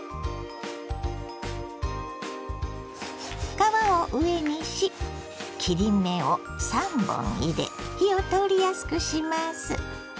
皮を上にし切り目を３本入れ火を通りやすくします。